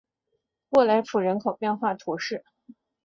沃雷普人口变化图示